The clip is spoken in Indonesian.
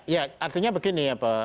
ya artinya begini